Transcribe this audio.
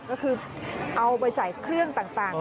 ก็คือเอาไปใส่เครื่องต่าง